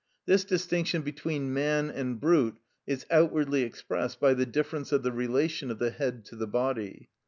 This distinction between man and brute is outwardly expressed by the difference of the relation of the head to the body.